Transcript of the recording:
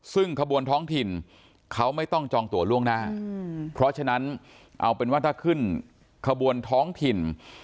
ซึ่งขบวนท้องถิ่นเขาไม่ต้องจองตัวล่วงหน้าเพราะฉะนั้นเอาเป็นว่าถ้าขึ้นขบวนท้องถิ่น